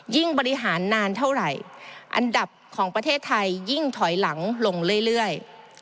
บริหารนานเท่าไหร่อันดับของประเทศไทยยิ่งถอยหลังลงเรื่อย